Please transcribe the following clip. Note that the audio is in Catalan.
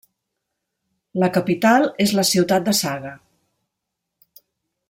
La capital és la ciutat de Saga.